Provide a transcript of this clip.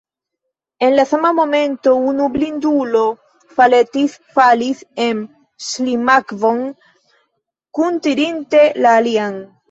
En la sama momento unu blindulo faletis, falis en ŝlimakvon, kuntirinte la alian.